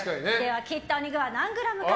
切ったお肉は何グラムか。